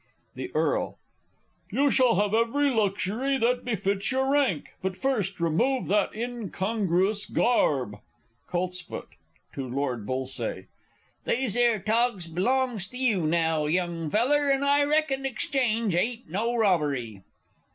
The E. You shall have every luxury that befits your rank, but first remove that incongruous garb. Colts. (to Lord B.). These 'ere togs belong to you now, young feller, and I reckon exchange ain't no robbery.